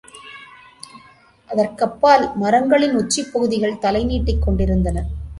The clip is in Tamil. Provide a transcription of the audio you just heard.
அதற்கப்பால், மரங்களின் உச்சிப் பகுதிகள் தலைநீட்டிக் கொண்டிருந்தன.